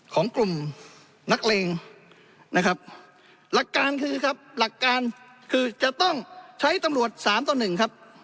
ของกลุ่มนักเลงนะครับหลักการคือครับหลักการคือจะต้องใช้ตำรวจสามต่อหนึ่งครับ